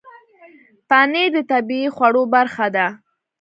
پنېر د طبیعي خوړو برخه ده.